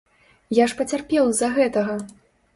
Я ж пацярпеў з-за гэтага!